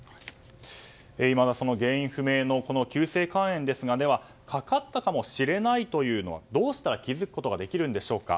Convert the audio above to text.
いまだ原因不明の急性肝炎ですがでは、かかったかもしれないというのはどうしたら気づくことができるんでしょうか。